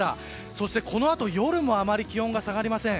そして、このあと夜もあまり気温が下がりません。